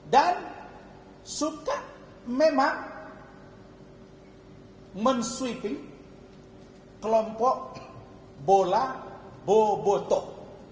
dan suka memang menswiping kelompok bola bobotok